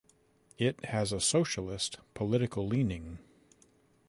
It has a socialist political leaning.